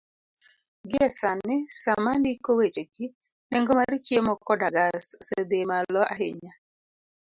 Gie sani, sama andiko wechegi, nengo mar chiemo koda gas osedhi malo ahinya